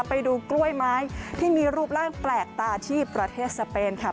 ไปดูกล้วยไม้ที่มีรูปร่างแปลกตาที่ประเทศสเปนค่ะ